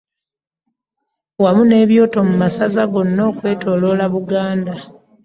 Wamu n'ebyoto mu masaza gonna okwetoloola Buganda.